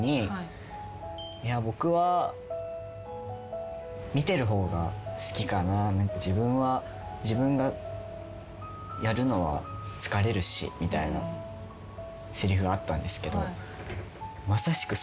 「僕は見てる方が好きかな自分がやるのは疲れるし」みたいなせりふがあったんですけど。